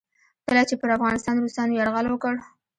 کله چې پر افغانستان روسانو یرغل وکړ.